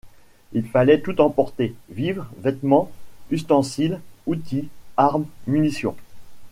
Il fallait tout emporter, vivres, vêtements, ustensiles, outils, armes, munitions.